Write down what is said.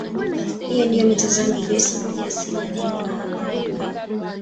Hii ndiyo mitazamo iliyosimulia asili ya neno Waha au Ha